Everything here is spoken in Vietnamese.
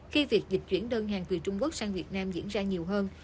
khi việc dịch chuyển đơn hàng từ trung quốc sang việt nam diễn ra nhiều hơn